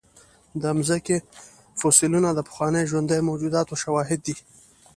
د مځکې فوسیلونه د پخوانیو ژوندیو موجوداتو شواهد دي.